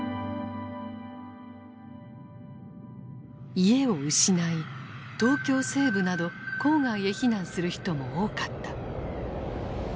家を失い東京西部など郊外へ避難する人も多かった。